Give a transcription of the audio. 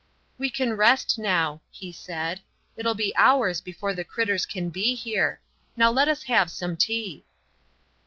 "We can rest now," he said. "It'll be hours before the critters can be here. Now let us have some tea."